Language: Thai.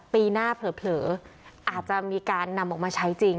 ปีหน้าเผลออาจจะมีการนำออกมาใช้จริง